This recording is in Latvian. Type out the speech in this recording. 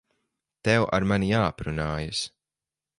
Tev ar mani jāaprunājas.